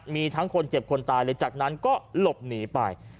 มีทั้งคนเจ็บคนตายเลยจากนั้นก็หลบหนีไป